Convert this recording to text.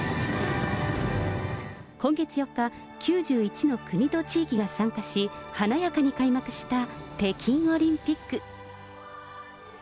今月４日、９１の国と地域が参加し、華やかに開幕した北京オリンピック。